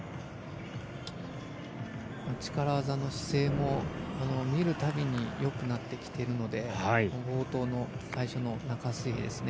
力技の姿勢も見る度によくなってきているので冒頭の最初の中水平ですね